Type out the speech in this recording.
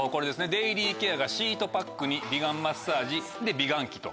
デイリーケアがシートパックに美顔マッサージ美顔器と。